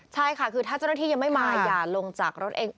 ใช่ค่ะคือถ้าเจ้าหน้าที่ยังไม่มาอย่าลงจากรถเอง